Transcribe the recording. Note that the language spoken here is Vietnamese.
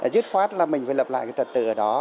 dứt khoát là mình phải lập lại cái trật tự ở đó